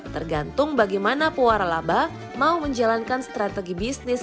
tergantung bagaimana puara laba mau menjalankan strategi bisnis